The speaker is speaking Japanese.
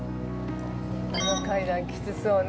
◆あの階段きつそうね。